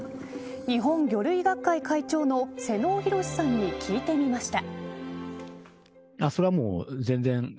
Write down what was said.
日本魚類学会会長の瀬能宏さんに聞いてみました。